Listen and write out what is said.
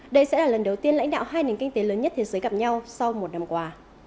đây sẽ là lần đầu tiên lãnh đạo hai nền kinh tế lớn nhất thế giới gặp nhau sau một năm qua